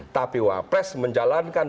tapi wapres menjalankan